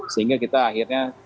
sehingga kita akhirnya